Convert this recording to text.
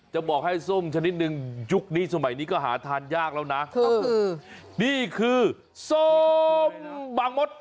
จะบอกให้ส้มชนิดนึงยุคนี้สมัยนี้ก็หาทานยากแล้วนะก็คือนี่คือส้มบางมด